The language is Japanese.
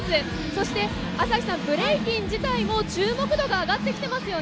そして朝日さん、ブレイキン自体も注目度が上がってきてますよね。